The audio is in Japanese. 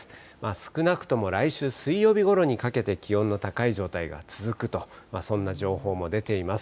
少なくとも来週水曜日ごろにかけて、気温の高い状態が続くと、そんな情報も出ています。